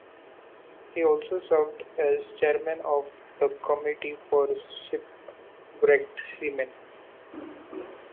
He also served as Chairman of the Committee for Shipwrecked Seamen.